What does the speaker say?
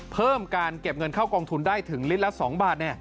เพิ่มการเก็บเงินเข้ากองทุนได้ถึงลิตรละ๒บาท